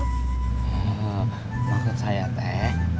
eh maksud saya teh